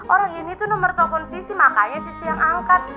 orang ini tuh nomor telepon sisi makanya sisi yang angkat